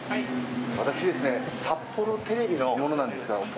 私ですね札幌テレビの者なんですが。